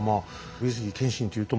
上杉謙信というとね